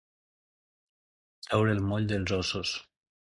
Treure el moll dels ossos.